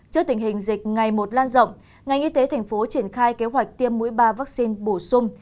trước tình hình dịch ngày một lan rộng ngành y tế thành phố triển khai kế hoạch tiêm mũi ba vaccine bổ sung